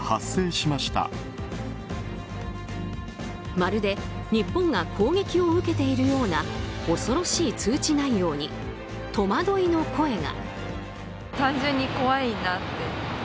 まるで日本が攻撃を受けているような恐ろしい通知内容に戸惑いの声が。